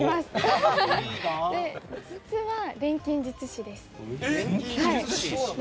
実は錬金術師です。